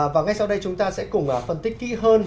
và ngay sau đây chúng ta sẽ cùng phân tích kỹ hơn